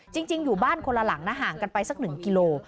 จริงอยู่บ้านคนละหลังนะห่างกันไปสัก๑กิโล